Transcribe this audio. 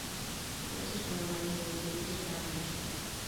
Estos fueron años muy felices para Michael.